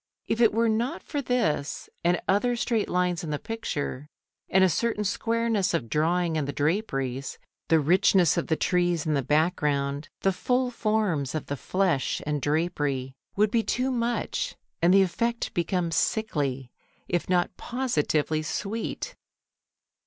If it were not for this and other straight lines in the picture, and a certain squareness of drawing in the draperies, the richness of the trees in the background, the full forms of the flesh and drapery would be too much, and the effect become sickly, if not positively sweet.